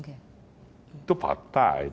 itu fakta itu